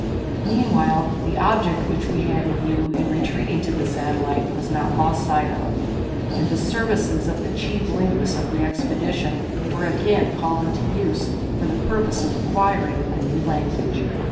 Meanwhile, the object which we had in view in retreating to the satellite was not lost sight of, and the services of the chief linguists of the expedition were again called into use for the purpose of acquiring a new language.